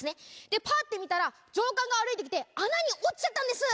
でパッて見たら上官が歩いてきて穴に落ちちゃったんです。